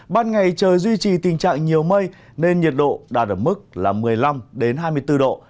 ban ngày trời duy trì tình trạng nhiều mây nên nhiệt độ đạt ở mức một mươi năm hai mươi bốn độ